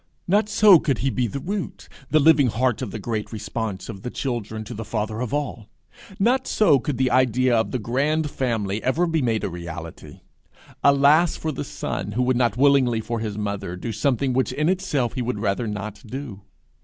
Not so could he be the root, the living heart of the great response of the children to the Father of all! not so could the idea of the grand family ever be made a reality! Alas for the son who would not willingly for his mother do something which in itself he would rather not do!